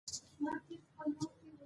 تعلیم نجونو ته د یووالي درس ورکوي.